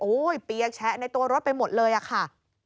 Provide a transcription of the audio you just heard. เปียกแชะในตัวรถไปหมดเลยอะค่ะ